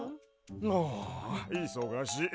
ああいそがしい。